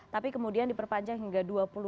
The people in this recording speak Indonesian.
tapi kemudian diperpanjang hingga dua puluh